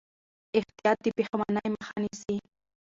احتیاط د پښېمانۍ مخه نیسي.